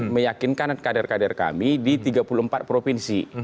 meyakinkan kader kader kami di tiga puluh empat provinsi